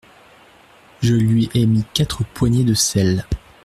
Je lui ai mis quatre poignées de sel.